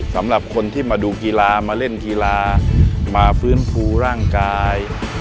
สำหรับคนที่มาดูกีฬามาเล่นกีฬามาฟื้นฟูร่างกาย